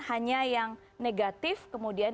hanya yang negatif kemudian